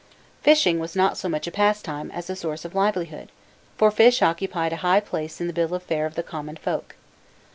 Fishing was not so much a pastime as a source of livelihood; for fish occupied a high place in the bill of fare of the common folk.